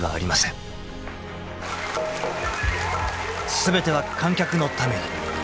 ［全ては観客のために］